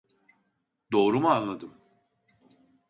Doğru mu anladım